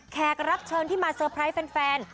แขกรับเชิญที่มาเซอร์ไพรส์แฟน